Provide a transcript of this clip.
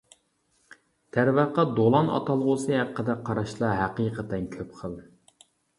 دەرۋەقە، دولان ئاتالغۇسى ھەققىدە قاراشلار ھەقىقەتەن كۆپ خىل.